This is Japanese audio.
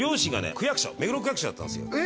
区役所目黒区役所だったんですよ